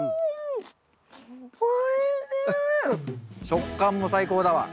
食感も最高だわ。